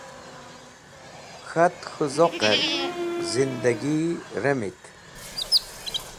K̃hat k̃hũ zoqẽr zindẽgi remit